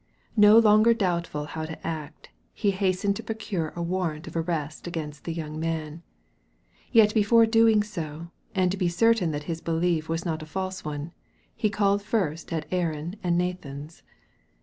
No longer doubtful how to act, he hastened to procure a warrant of arrest against the young man ; yet before doing so, and to be certain that his belief was not a false one, he called first at Aaron and Nathan's.